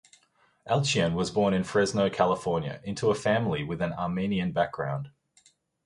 Alchian was born in Fresno, California into a family with Armenian background.